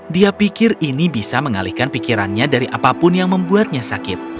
dia pikir ini bisa mengalihkan pikirannya dari apapun yang membuatnya sakit